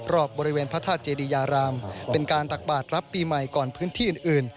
รอบบริเวณพระธาตุเจดียารามเป็นการตักบาทรับปีใหม่ก่อนพื้นที่อื่น